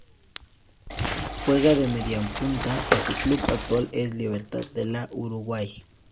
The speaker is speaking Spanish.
Juega de Mediapunta y su club actual es Libertad de la Uruguay.